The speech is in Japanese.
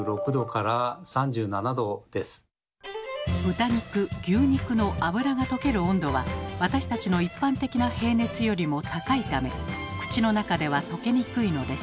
豚肉牛肉の脂が溶ける温度は私たちの一般的な平熱よりも高いため口の中では溶けにくいのです。